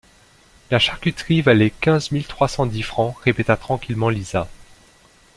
La charcuterie valait quinze mille trois cent dix francs, répéta tranquillement Lisa...